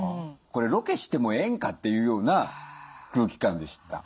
これロケしてもええんかっていうような空気感でした。